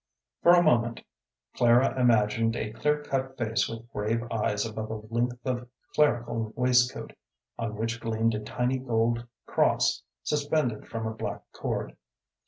For a moment Clara imaged a clear cut face with grave eyes above a length of clerical waistcoat, on which gleamed a tiny gold cross suspended from a black cord.